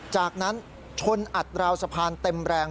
จากนั้นชนอัดราวสะพานเต็มแรง